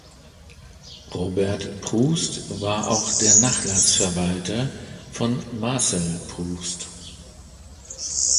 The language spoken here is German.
Robert Proust war auch der Nachlassverwalter von Marcel Proust.